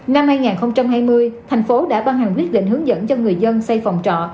năm hai nghìn hai mươi thành phố đã ban hành quyết định hướng dẫn cho người dân xây phòng trọ